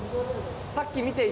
さっき見ていた。